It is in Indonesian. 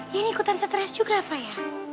yan ikutan stres juga apa ya